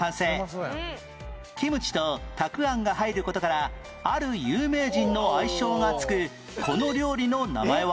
キムチとたくあんが入る事からある有名人の愛称が付くこの料理の名前は？